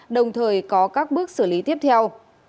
đồng thời có các bước xử lý tiếp theo